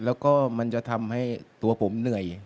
แล้วก็มันจะทำให้ตัวผมเหนื่อย